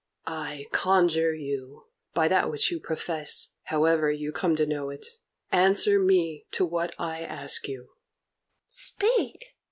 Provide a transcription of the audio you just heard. "I conjure you, by that which you profess, however you come to know it, answer me to what I ask you." "Speak!"